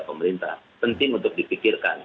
pemerintah penting untuk dipikirkan